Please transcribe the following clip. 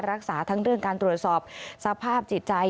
รักษาทั้งเรื่องการตรวจสอบสภาพจิตใจ